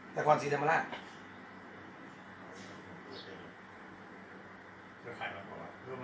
แต่ความสีได้มาแล้ว